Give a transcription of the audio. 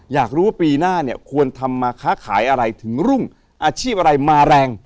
อยากรู้ว่าปีหน้าเนี่ยควรทำมาค้าขายอะไรถึงรุ่งอาชีพอะไรมาแรง